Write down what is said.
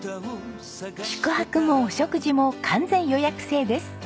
宿泊もお食事も完全予約制です。